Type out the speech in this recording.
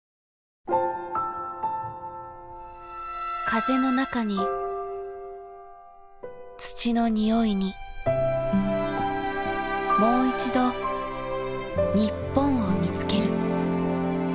風の中に土の匂いにもう一度日本を見つける。